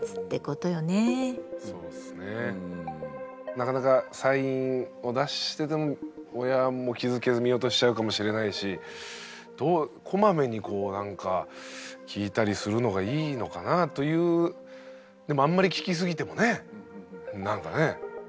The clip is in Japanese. なかなかサインを出してても親も気付けず見落としちゃうかもしれないしどうこまめにこうなんか聞いたりするのがいいのかなというでもあんまり聞きすぎてもねなんかね。